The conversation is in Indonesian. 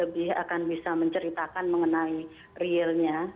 jadi akan bisa menceritakan mengenai realnya